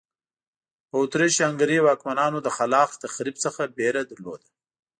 په اتریش هنګري واکمنانو له خلاق تخریب څخه وېره درلوده.